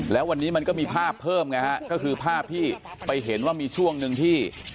แล้ววันนี้มันก็มีภาพเพิ่มไงฮะก็คือภาพที่ไปเห็นว่ามีช่วงหนึ่งที่